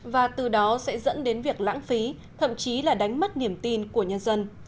và từ đó sẽ dẫn đến việc lãng phí thậm chí là đánh mất niềm tin của nhân dân